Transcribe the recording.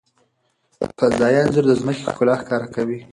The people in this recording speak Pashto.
فضايي انځور د ځمکې ښکلا ښکاره کوي.